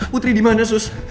putri dimana sus